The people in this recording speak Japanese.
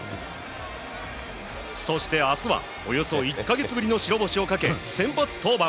そして明日はおよそ１か月ぶりの白星をかけ先発登板。